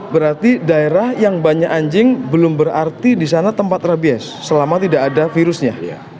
berarti daerah yang banyak anjing belum berarti di sana tempat rabies selama tidak ada virusnya